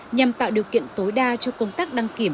nhằm tạo điều kiện tối đa cho công tác đăng kiểm